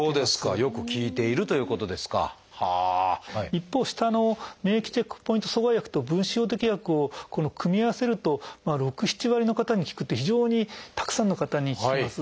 一方下の免疫チェックポイント阻害薬と分子標的薬を組み合わせると６７割の方に効くっていう非常にたくさんの方に効きます。